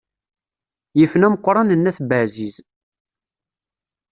Yifen ameqqran n at Baɛziz.